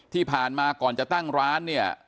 ที่ผ่านมาก่อนจะตั้งร้านเนี่ย